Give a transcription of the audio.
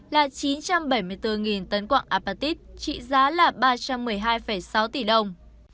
là chín trăm bảy mươi bốn tấn quạng apatit trị giá là ba trăm một mươi hai sáu tỷ đồng